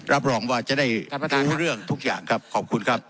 รับรองว่าจะได้รู้เรื่องทุกอย่างครับขอบคุณครับ